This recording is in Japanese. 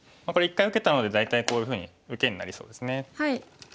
これ一回受けたので大体こういうふうに受けになりそうですね。